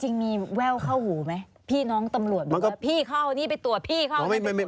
จริงมีแว่วเข้าหูไหมพี่น้องตำรวจบอกว่าพี่เข้านี่ไปตรวจพี่เข้า